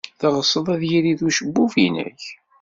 Teɣsed ad yirid ucebbub-nnek?